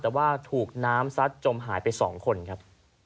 แต่ว่าถูกน้ำซัดจมหายไป๒คนครับ